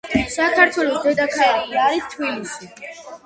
საქართველოს დედაქალაქი არის თბილისი.